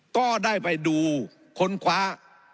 ก็ได้ไปดูค้นคว้า